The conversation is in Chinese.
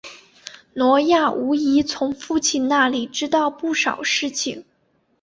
挪亚无疑从父亲那里知道不少事情。